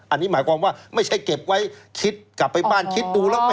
อันนี้หมายความว่าไม่ใช่เก็บไว้คิดกลับไปบ้านคิดดูแล้ว